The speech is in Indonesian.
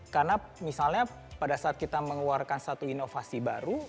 karena misalnya pada saat kita mengeluarkan satu inovasi baru